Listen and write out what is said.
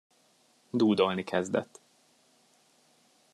Dúdolni kezdett.